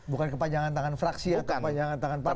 bukan kepanjangan tangan fraksi atau kepanjangan tangan partai